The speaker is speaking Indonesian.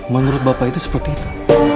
menurut bapak itu seperti itu